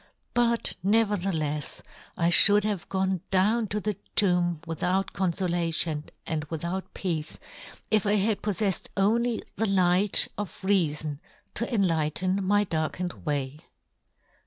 But, neverthelefs, I " fhould have gone down to the " tomb without confolation, and " without peace, if I had poffefled " only the light of reafon to en " lighten my darkened way.